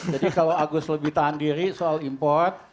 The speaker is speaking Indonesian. jadi kalau agus lebih tahan diri soal import